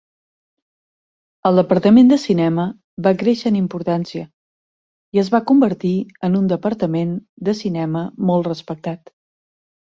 El departament de cinema va créixer en importància i es va convertir en un departament de cinema molt respectat.